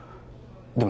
でも